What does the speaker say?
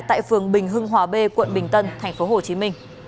tại phường bình hưng hòa b quận bình tân tp hcm